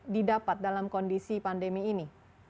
didapat dalam kondisi pandemi ini